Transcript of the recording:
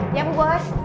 iya bu bos